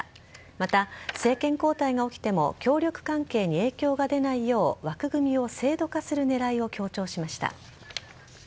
また、政権交代が起きても協力関係に影響が出ないよう枠組みを制度化する狙いを強調しました。